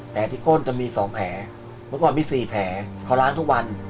ที่ก้นจะมี๒แผลเมื่อก่อนมี๔แผลเขาล้างทุกวัน